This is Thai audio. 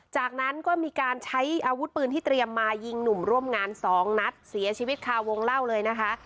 จากนั้นก็มีการใช้อาวุธปืนที่เตรียมมายิงหนุ่มร่วมงานสองนัดเสียชีวิตคาวงเล่าเลยนะคะ